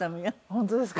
本当ですか？